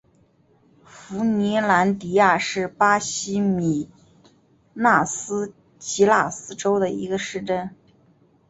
富尼兰迪亚是巴西米纳斯吉拉斯州的一个市镇。